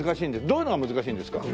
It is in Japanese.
どういうのが難しいんですか？